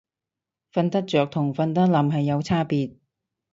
瞓得着同瞓得稔係有差別